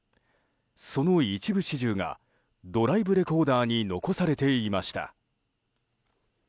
その一部始終がドライブレコーダーに残されていました。